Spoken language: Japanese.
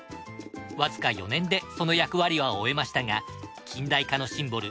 わずか４年でその役割は終えましたが近代化のシンボル